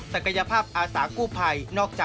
กายภาพอาสากู้ภัย